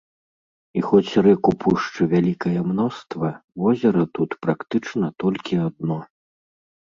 І хоць рэк у пушчы вялікае мноства, возера тут практычна толькі адно.